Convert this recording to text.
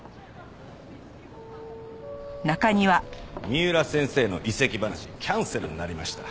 三浦先生の移籍話キャンセルになりました。